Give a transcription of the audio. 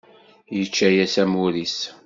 Yečča-yas amur-is.